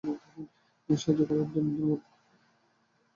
সাহায্য করার জন্য।